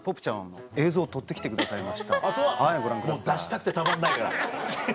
もう出したくてたまんないから。